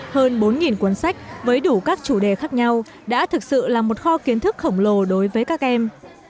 hơn bốn cuốn sách với đủ các chủ đề khác nhau đã thực sự là một kho kiến thức khổng lồ đối với các em